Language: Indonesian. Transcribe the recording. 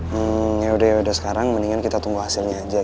hmm yaudah yaudah sekarang mendingan kita tunggu hasilnya aja